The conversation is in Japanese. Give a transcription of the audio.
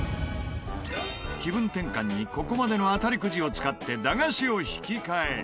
気分転換にここまでの当たりくじを使って駄菓子を引き換え。